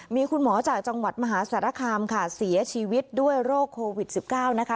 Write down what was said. มีคุณหมอจากจังหวัดมหาสารคามค่ะเสียชีวิตด้วยโรคโควิด๑๙นะคะ